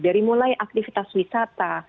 dari mulai aktivitas wisata